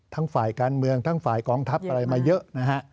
ฝ่ายการเมืองทั้งฝ่ายกองทัพอะไรมาเยอะนะฮะ